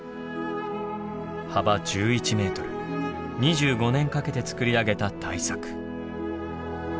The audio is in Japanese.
幅１１メートル２５年かけて作り上げた大作。